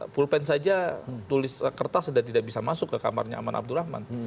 pulpen saja tulis kertas dan tidak bisa masuk ke kamarnya aman abdurrahman